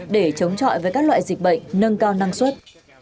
để chống chọi với các loại dịch bệnh nâng cao năng suất